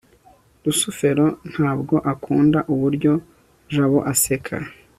rusufero ntabwo akunda uburyo jabo aseka